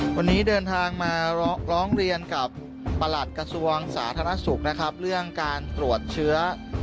วันนี้เดินทางมาร้องเรียนกับประหลัดกระทรวงสาธารณสุขนะครับเรื่องการตรวจเชื้อ